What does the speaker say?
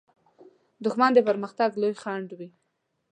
دښمن د پرمختګ لوی خنډ وي